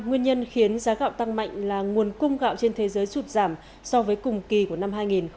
nguyên nhân khiến giá gạo tăng mạnh là nguồn cung gạo trên thế giới rụt giảm so với cùng kỳ của năm hai nghìn hai mươi hai